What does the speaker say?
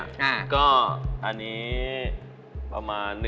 อ่ะก็อันนี้ประมาณ